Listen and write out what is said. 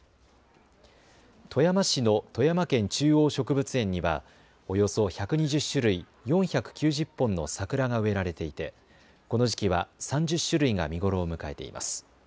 富山市の富山県中央植物園にはおよそ１２０種類４９０本の桜が植えられていて、この時期は３０種類が見頃を迎えています。